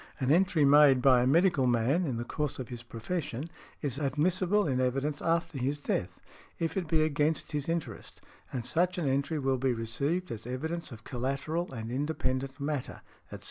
An entry made by a medical man, in the course of his profession, is admissible in evidence after his death, if it be against his interest; and such an entry will be received as evidence of collateral and independent matter, etc.